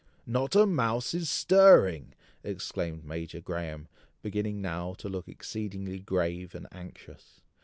"Not a mouse is stirring!" exclaimed Major Graham, beginning now to look exceedingly grave and anxious.